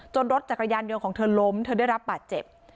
รถจักรยานยนต์ของเธอล้มเธอได้รับบาดเจ็บ